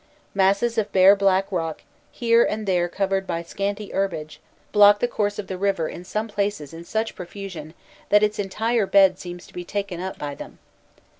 Masses of bare black rock, here and there covered by scanty herbage, block the course of the river in some places in such profusion, that its entire bed seems to be taken up by them.